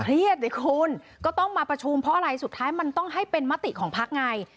ดิคุณก็ต้องมาประชุมเพราะอะไรสุดท้ายมันต้องให้เป็นมติของพักไง